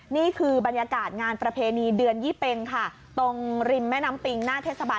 นี่คือบรรยากาศงานประเพณีเดือนยี่เป็งค่ะตรงริมแม่น้ำปิงหน้าเทศบาล